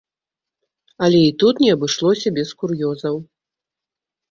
Але і тут не абышлося без кур'ёзаў.